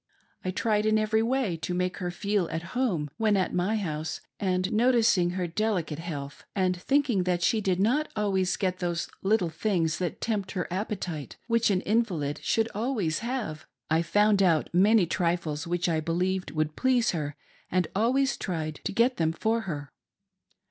I tried in every way to make her feel at home when at my house ; and noticing her delicate health, and thinking that she did not always get those little things to tempt her appetite which an invalid should always have, I found out many trifles which I believed would please her, and always tried to get them for her.